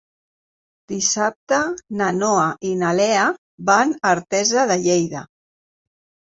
Dissabte na Noa i na Lea van a Artesa de Lleida.